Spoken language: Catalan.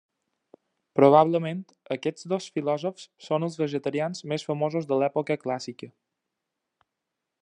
Probablement, aquests dos filòsofs són els vegetarians més famosos de l'època clàssica.